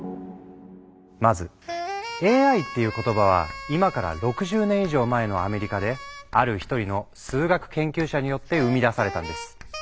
まずＡＩっていう言葉は今から６０年以上前のアメリカである一人の数学研究者によって生み出されたんです。